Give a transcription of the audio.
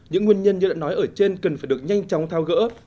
những nguyên nhân như đã nói ở trên cần phải được nhanh chóng thao gỡ